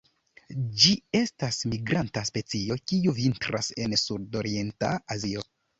Ĝi estas migranta specio, kiu vintras en sudorienta Azio.